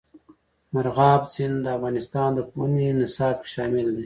مورغاب سیند د افغانستان د پوهنې نصاب کې شامل دي.